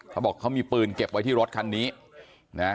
เขาบอกเขามีปืนเก็บไว้ที่รถคันนี้นะ